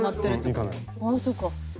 ああそうか。